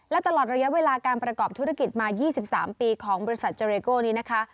และตลอดระยะเวลาการประกอบธุรกิจมา๒๓ปีของบริษัทเจเรโก้นี้นะคะ